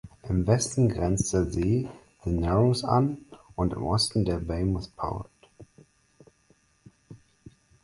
Im Westen grenzt der See "The Narrows" an und im Osten der "Weymouth Pond".